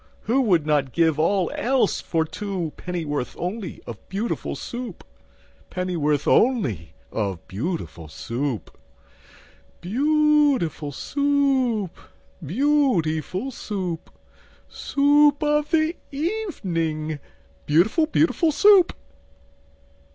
Who would not give all else for two Pennyworth only of Beautiful Soup? Pennyworth only of beautiful Soup? Beau ootiful Soo oop! Beau ootiful Soo oop! Soo oop of the e e evening, Beautiful, beauti FUL SOUP!